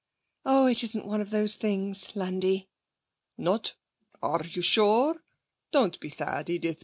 'Oh, it isn't one of those things, Landi.' 'Not? Are you sure? Don't be sad, Edith.